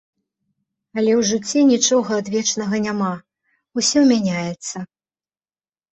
Але ў жыцці нічога адвечнага няма, усё мяняецца.